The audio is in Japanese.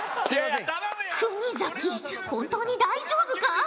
本当に大丈夫か！？